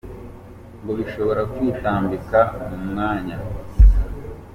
ngo bishobora kwitambika mu mwanya!